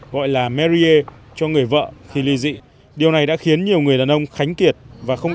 gọi là meria cho người vợ khi ly dị điều này đã khiến nhiều người đàn ông khánh kiệt và không